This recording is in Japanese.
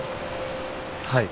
はい